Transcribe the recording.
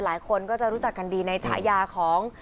หลายคนก็จะรู้จักกันดีในฉายาของ